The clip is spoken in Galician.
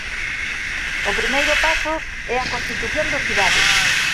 O primeiro paso é a constitución do xurado.